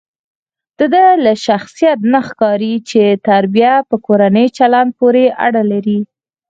دده له شخصیت نه ښکاري چې تربیه په کورني چلند پورې اړه لري.